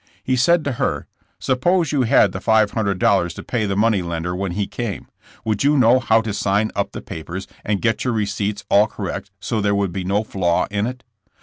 He said to her: ''Suppose you had the five hundred dollars to pay the money lender when he came, would you know how to sign up the papers and get your re ceipts all correct so there would be no flaw in it?"